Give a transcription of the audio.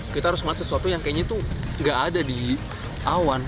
kita harus melihat sesuatu yang kayaknya tuh gak ada di awan